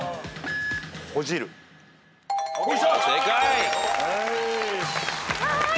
正解。